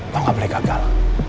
kau gak boleh gagal